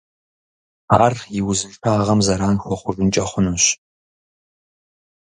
Ар и узыншагъэм зэран хуэхъужынкӀэ хъунущ.